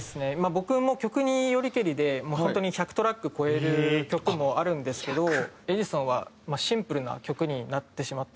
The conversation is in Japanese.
僕も曲によりけりで本当に１００トラック超える曲もあるんですけど『エジソン』はシンプルな曲になってしまったので。